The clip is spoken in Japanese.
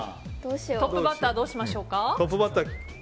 トップバッターどうしましょうか。